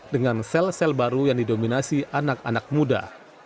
dengan sel sel baru yang didominasi anak anak muda